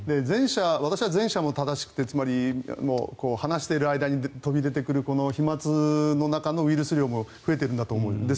私は前者も正しくてつまり、話している間に飛び出てくる飛まつの中のウイルス量も増えているんだと思います。